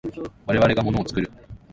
我々が物を作る。